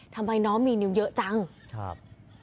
ทำไมน้องมีนิ้วเยอะจังครับ